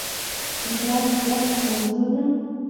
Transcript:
میراث بخت موضوع ده.